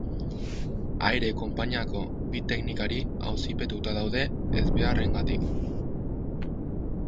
Aire konpainiako bi teknikari auzipetuta daude ezbeharragatik.